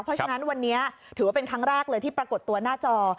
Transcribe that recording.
เพราะฉะนั้นวันนี้ถือว่าเป็นครั้งแรกเลยที่ปรากฏตัวหน้าจอ